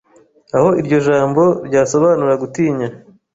Aho iryo jambo ryasobanura gutinya